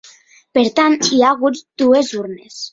Per tant, hi ha hagut dues urnes.